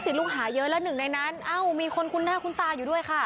ลูกหาเยอะแล้วหนึ่งในนั้นเอ้ามีคนคุ้นหน้าคุ้นตาอยู่ด้วยค่ะ